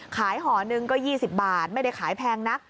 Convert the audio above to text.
ห่อหนึ่งก็๒๐บาทไม่ได้ขายแพงนัก